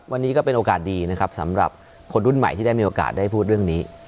วันนี้ก็เป็นโอกาสดีนะครับสำหรับคนรุ่นใหม่ที่ได้มีโอกาสได้พูดเรื่องนี้